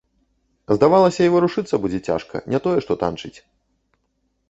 Здавалася, і варушыцца будзе цяжка, не тое што танчыць.